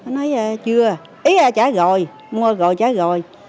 nói chưa ý là trả rồi mua rồi trả rồi